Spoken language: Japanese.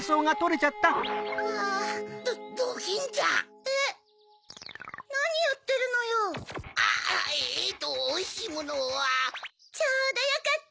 ちょうどよかった！